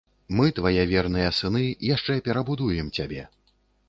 Мы, твае верныя сыны, яшчэ перабудуем цябе!